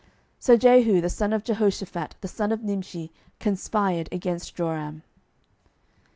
12:009:014 So Jehu the son of Jehoshaphat the son of Nimshi conspired against Joram.